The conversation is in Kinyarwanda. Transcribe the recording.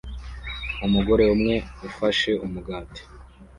Umugore umwe ufashe umugati